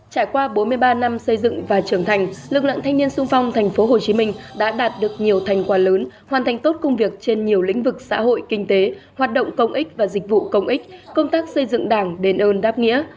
trải qua bốn mươi ba năm xây dựng và trưởng thành lực lượng thanh niên sung phong tp hcm đã đạt được nhiều thành quả lớn hoàn thành tốt công việc trên nhiều lĩnh vực xã hội kinh tế hoạt động công ích và dịch vụ công ích công tác xây dựng đảng đền ơn đáp nghĩa